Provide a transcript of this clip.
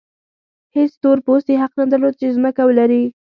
هېڅ تور پوستي حق نه درلود چې ځمکه ولري.